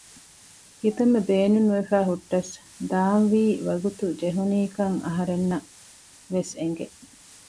ކިތަންމެ ބޭނުން ނުވެފައި ހުއްޓަސް ދާން ވީ ވަގުތު ޖެހުނީކަން އަހަރެންނަށް ވެސް އެނގެ